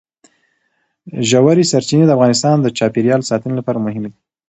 ژورې سرچینې د افغانستان د چاپیریال ساتنې لپاره مهمي دي.